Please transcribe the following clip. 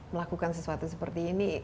melakukan sesuatu seperti ini